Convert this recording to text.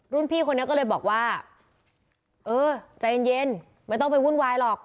พี่คนนี้ก็เลยบอกว่าเออใจเย็นไม่ต้องไปวุ่นวายหรอก